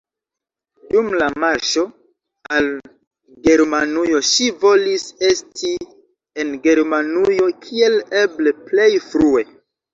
Dum la marŝo al Germanujo ŝi volis esti en Germanujo kiel eble plej frue.